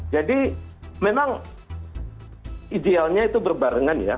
jadi memang idealnya itu berbarengan ya